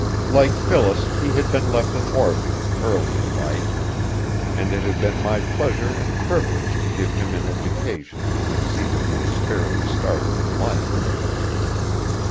Like Phyllis he had been left an orphan early in life, and it had been my pleasure and privilege to give him an education and see that he was fairly started in life.